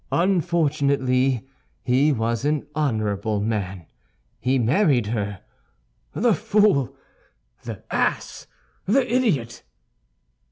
Unfortunately he was an honorable man; he married her. The fool! The ass! The idiot!"